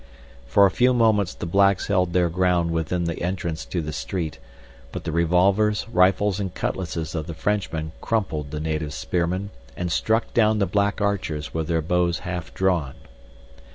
For a few moments the blacks held their ground within the entrance to the street, but the revolvers, rifles and cutlasses of the Frenchmen crumpled the native spearmen and struck down the black archers with their bows halfdrawn.